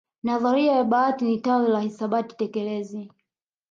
Nadharia ya bahati ni tawi la hisabati tekelezi